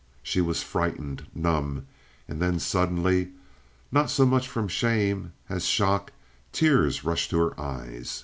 She was frightened, numb, and then suddenly, not so much from shame as shock, tears rushed to her eyes.